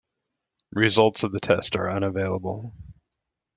Results of the test are unavailable.